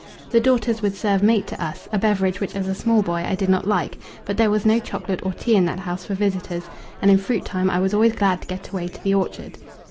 The daughters would serve mate to us, a beverage which as a small boy I did not like, but there was no chocolate or tea in that house for visitors, and in fruit time I was always glad to get away to the orchard.